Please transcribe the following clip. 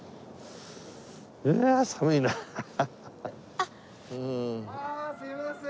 ああすいません！